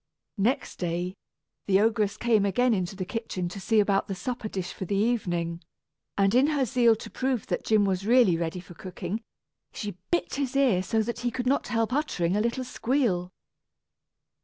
Next day, the ogress came again into the kitchen to see about the supper dish for the evening, and in her zeal to prove that Jim was really ready for cooking, she bit his ear so that he could not help uttering a little squeal.